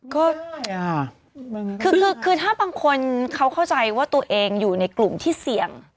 ก็คือถ้าบางคนเขาเข้าใจว่าตัวเองอยู่ในกลุ่มที่เสี่ยง